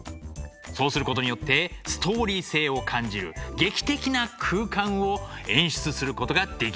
そうすることによってストーリー性を感じる劇的な空間を演出することができるんです。